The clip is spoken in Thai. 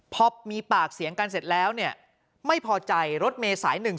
พอมีปากเสียงกันเสร็จแล้วเนี่ยไม่พอใจรถเมย์สาย๑๒